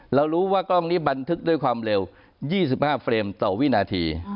เรารู้ว่ากล้องนี้บันทึกด้วยความเร็ว๒๕เฟรมต่อวินาที